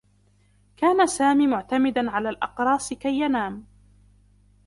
كان سامي معتمدا على الأقراص كي ينام.